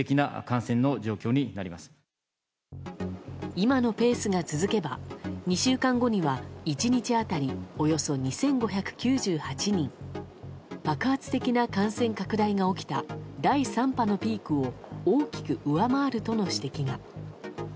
今のペースが続けば２週間後には１日当たりおよそ２５９８人爆発的な感染拡大が起きた第３波のピークを大きく上回るとの指摘が。